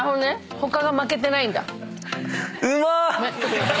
他が負けてないんだ。